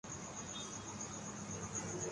شمالی کوریا